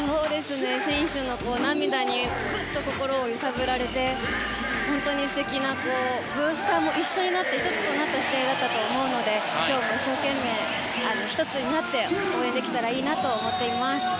選手の涙にぐっと心を揺さぶられて本当に素敵なブースターも一緒になって１つとなった試合だったと思うので今日も一生懸命１つになって応援できればいいと思います。